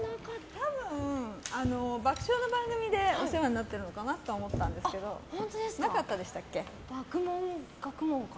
多分、爆笑の番組でお世話になってるかなと思ったんですけどなかったでしたっけ？